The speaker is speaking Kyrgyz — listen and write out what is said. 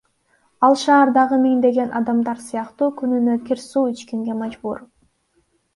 Ал шаардагы миңдеген адамдар сыяктуу күнүгө кир суу ичкенге мажбур.